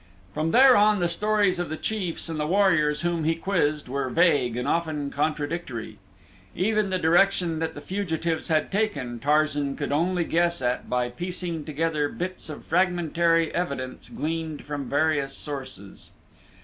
From there on the stories of the chiefs and the warriors whom he quizzed, were vague and often contradictory. Even the direction that the fugitives had taken Tarzan could only guess at by piecing together bits of fragmentary evidence gleaned from various sources.